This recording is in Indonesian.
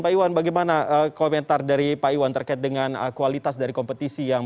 pak iwan bagaimana komentar dari pak iwan terkait dengan kualitas dari kompetisi yang